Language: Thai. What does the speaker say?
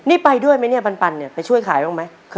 นี่ไปด้วยไหมเนี่ยปันเนี่ยไปช่วยขายบ้างไหม